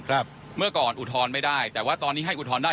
เมื่อก่อนอุทธรณ์ไม่ได้แต่ว่าตอนนี้ให้อุทธรณ์ได้